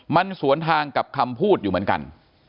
มันสวนทางกับคำพูดอยู่เหมือนกัน